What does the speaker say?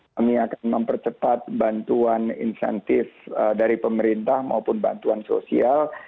kami akan mempercepat bantuan insentif dari pemerintah maupun bantuan sosial